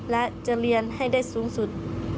และจะเรียนให้ได้สูงสุด